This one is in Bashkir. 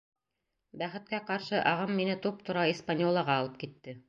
Бәхеткә ҡаршы, ағым мине туп-тура «Испаньола»ға алып китте.